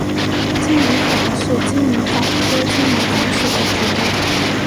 金鱼藻是金鱼藻科金鱼藻属的植物。